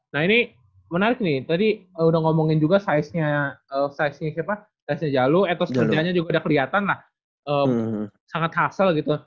nah ini menarik nih tadi udah ngomongin juga size nya jalu etos kerjanya juga udah kelihatan lah sangat hassel gitu